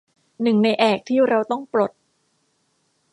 หนึ่งในแอกที่เราต้องปลด